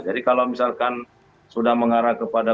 jadi kalau misalkan sudah mengarah kepada